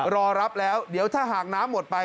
รอรับแล้วเดี๋ยวถ้าหากน้ำหมดไป